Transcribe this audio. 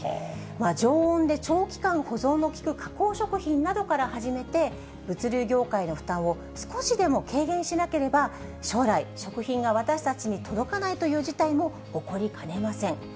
常温で長期間保存の効く加工食品から初めて、物流業界の負担を少しでも軽減しなければ、将来、食品が私たちに届かないという事態も起こりかねません。